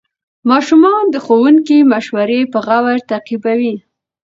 ماشومان د ښوونکي مشورې په غور تعقیبوي